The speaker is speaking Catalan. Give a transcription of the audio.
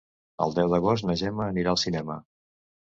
El deu d'agost na Gemma anirà al cinema.